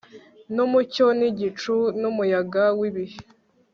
numucyo nigicucu numuyaga wibihe